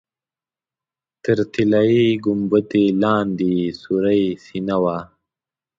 تر طلایي ګنبدې لاندې یې سورۍ سینه ده.